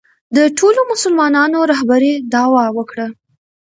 د ټولو مسلمانانو رهبرۍ دعوا وکړه